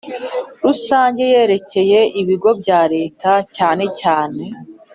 rusange yerekeye Ibigo bya Leta cyane cyane